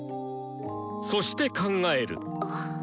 そして考える。